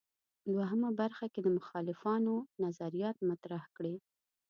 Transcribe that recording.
دوهمه برخه کې د مخالفانو نظریات مطرح کړي.